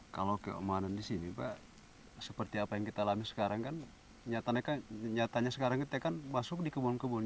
kalau keamanan di sini pak seperti apa yang kita alami sekarang kan nyatanya sekarang kita kan masuk di kebun kebun